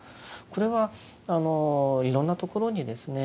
これはいろんなところにですね